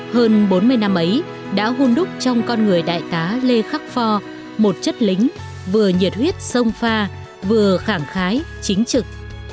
hơn bốn mươi năm ấy đã hôn đúc trong con người đại tá lê khắc pho một chất lính vừa nhiệt huyết sông pha vừa khẳng khái chính trực